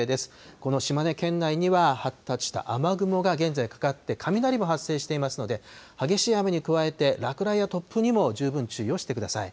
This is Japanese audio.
この島根県内には発達した雨雲が現在かかって、雷を発生していますので、激しい雨に加えて、落雷や突風にも十分注意をしてください。